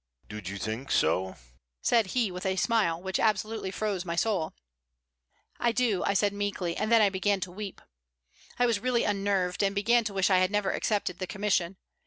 "Do you think so?" said he, with a smile which absolutely froze my soul. "I do," I said, meekly, and then I began to weep. I was really unnerved, and began to wish I had never accepted the commission.